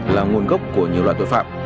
là nguồn gốc của nhiều loại tội phạm